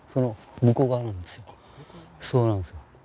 そうなんですよ。